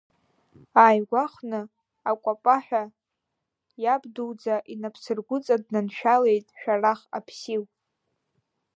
Ааигәахәны, акәапаҳәа иабдуӡа инапсыргәыҵа днаншәалеит Шәарах Аԥсил.